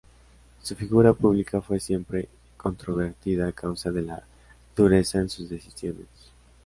Su figura pública fue siempre controvertida a causa de la dureza en sus decisiones.